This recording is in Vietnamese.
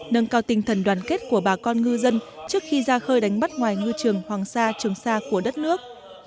nâng cao tinh thần đoàn kết của bà con ngư dân trước khi ra khơi đánh bắt ngoài ngư trường hoàng sa trường sa của đất nước